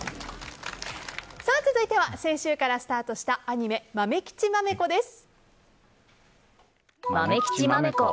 続いては先週からスタートしたアニメ「まめきちまめこ」です。